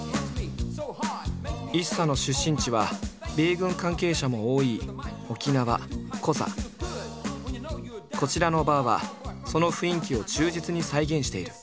ＩＳＳＡの出身地は米軍関係者も多いこちらのバーはその雰囲気を忠実に再現している。